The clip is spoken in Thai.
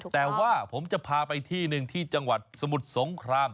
แต่ว่าผมจะพาไปที่หนึ่งที่จังหวัดสมุทรสงคราม